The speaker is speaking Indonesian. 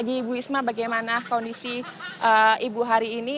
ini adalah ibu isma selamat pagi ibu isma bagaimana kondisi ibu hari ini